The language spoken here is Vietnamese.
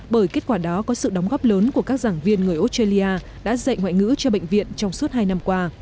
bởi kết quả đó có sự đóng góp lớn của các giảng viên người australia đã dạy ngoại ngữ cho bệnh viện trong suốt hai năm qua